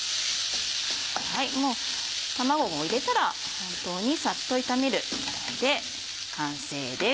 もう卵も入れたら本当にサッと炒めるぐらいで完成です。